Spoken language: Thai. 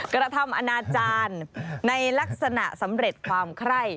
กระทำอนาจารย์ในลักษณะสำเร็จความไคร้